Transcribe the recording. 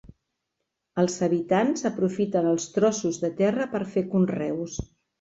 Els habitants aprofiten els trossos de terra per fer conreus.